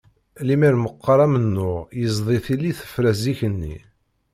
Limmer meqqar amennuɣ yezdi tili tefra zik-nni.